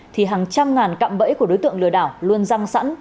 thì hàng trăm ngàn cạm bẫy của đối tượng lừa đảo luôn răng sẵn